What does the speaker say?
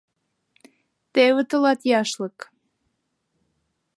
— Теве тылат яшлык.